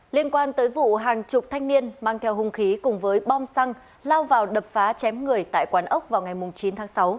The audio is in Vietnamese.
liên quan tới vụ hàng chục thanh niên mang theo hung khí cùng với bom xăng lao vào đập phá chém người tại quán ốc vào ngày chín tháng sáu